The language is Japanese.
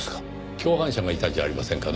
共犯者がいたんじゃありませんかね？